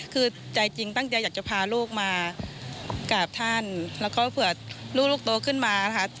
คือใจจริงตั้งใจอยากจะพาลูกมากราบท่านแล้วก็เผื่อลูกลูกโตขึ้นมานะคะ